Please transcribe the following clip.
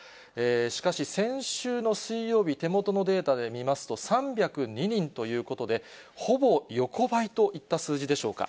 しかし、先週の水曜日、手元のデータで見ますと、３０２人ということで、ほぼ横ばいといった数字でしょうか。